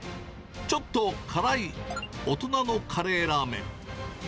ちょっと辛い大人のカレーラーメン。